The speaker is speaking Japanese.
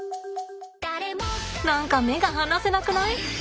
何か目が離せなくない？